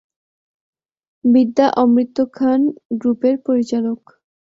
বিদ্যা অমৃত খান গ্রুপের পরিচালক।